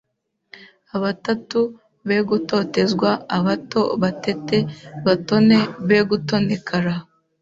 Abatatu be gutotezwa Abato batete batone be gutonekara